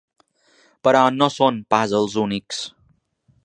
Però no són pas els únics.